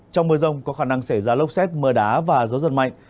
trong mưa rông có khả năng xảy ra lốc xét mưa đá và gió giật mạnh